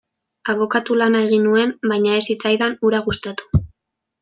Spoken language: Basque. Abokatu lana egin nuen, baina ez zitzaidan hura gustatu.